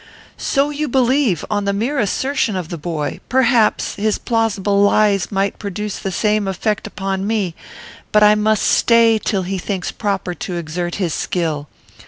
"So you believe, on the mere assertion of the boy, perhaps, his plausible lies might produce the same effect upon me; but I must stay till he thinks proper to exert his skill.